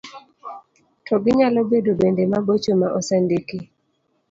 to ginyalo bedo bende mabocho ma osendiki.